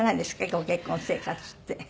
ご結婚生活って。